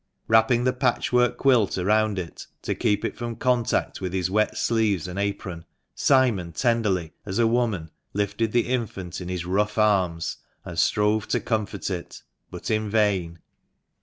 Wrapping the patchwork quilt around it, to keep it from contact with his wet sleeves and apron, Simon, tenderly as a woman, lifted the infant in his rough arms, and strove to comfort it, but in vain.